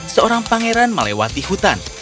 seorang pangeran melewati hutan